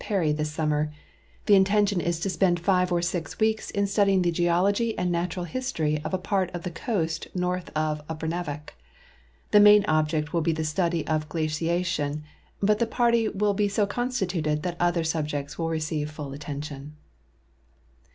Peary this summer. The intention is to spend five or six weeks in studying the geology and natural history of a part of the coast north of Upernavik. The main object will be the study of glaciation, but the party will be so constituted that other subjects will receive full attention.